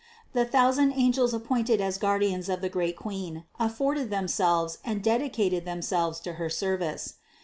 The thousand angels appointed as guardians of the great Queen offered them 19 266 CITY OF GOD selves and dedicated themselves to her service.